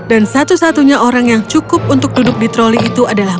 dan satu satunya orang yang cukup untuk duduk di troli adalah